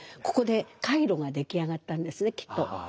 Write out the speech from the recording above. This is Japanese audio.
ここで回路が出来上がったんですねきっと。